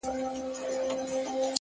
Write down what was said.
نیکي د انسان تر غیابه هم خبرې کوي!